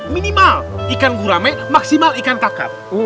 minimal ikan gurame maksimal ikan takat